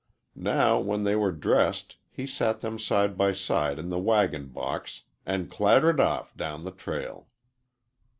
Now, when they were dressed, he sat them side by side in the wagon box and clattered off down the trail.